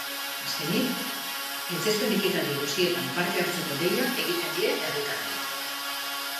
Azkenik, gaitzespen ekitaldi guztietan parte hartzeko deia egiten die herritarrei.